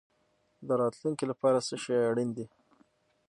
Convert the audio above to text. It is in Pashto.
د راتلونکي لپاره څه شی اړین دی؟